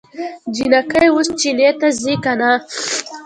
جينکۍ اوس چينې ته ځي که نه؟